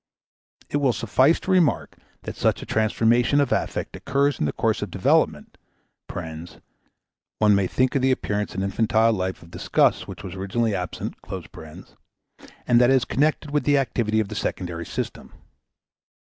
It will suffice to remark that such a transformation of affect occurs in the course of development (one may think of the appearance in infantile life of disgust which was originally absent), and that it is connected with the activity of the secondary system.